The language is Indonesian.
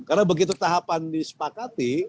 karena begitu tahapan disepakati